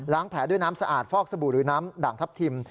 แผลด้วยน้ำสะอาดฟอกสบู่หรือน้ำด่างทัพทิม